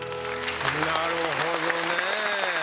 なるほどね。